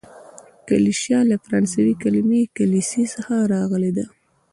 کلیشه له فرانسوي کليمې کلیسې څخه راغلې ده.